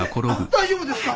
大丈夫ですか？